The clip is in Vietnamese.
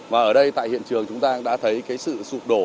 và ở đây tại hiện trường chúng ta đã thấy cái sự sụp đổ